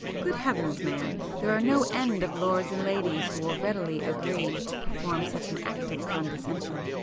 Good heavens man, there are no end of lords and ladies who will readily agree to perform such an act of condescension.